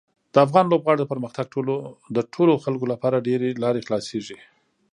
د افغان لوبغاړو د پرمختګ د ټولو خلکو لپاره ډېرې لارې خلاصیږي.